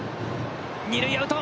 二塁アウト。